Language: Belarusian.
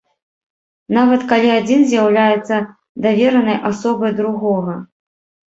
Нават калі адзін з'яўляецца даверанай асобай другога.